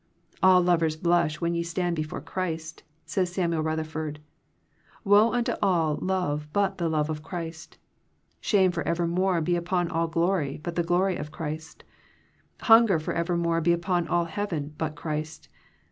'' All lovers blush when ye stand beside Christ," says Samuel Rutherford; "woe unto all love but the love of Christ Shame for evermore be upon all glory but the glory of Christ; hunger forevermore be upon all heaven but Christ.